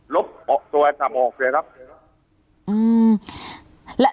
ลบโทรศัพท์ออกเลยครับ